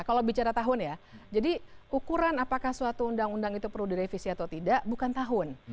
kalau bicara tahun ya jadi ukuran apakah suatu undang undang itu perlu direvisi atau tidak bukan tahun